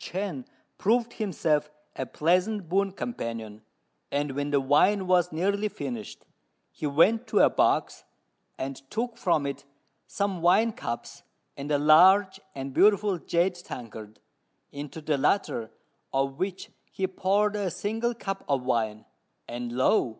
Chên proved himself a pleasant boon companion, and when the wine was nearly finished, he went to a box, and took from it some wine cups and a large and beautiful jade tankard, into the latter of which he poured a single cup of wine, and lo!